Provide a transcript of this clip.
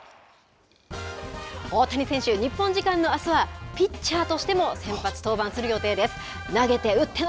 大谷選手、日本時間のあすはピッチャーとしても先発登板する予定です。